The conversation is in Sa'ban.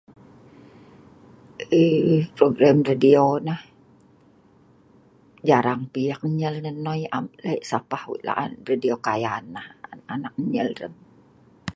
Ee program radio nah, jarang pi' eek nnyel nah nnoi am eek le' sapah wei la'an radio Kayan nah an eek nyel rem.